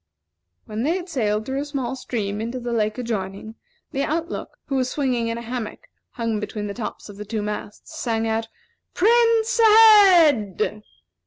When they had sailed through a small stream into the lake adjoining, the out look, who was swinging in a hammock hung between the tops of the two masts, sang out, "Prince ahead!"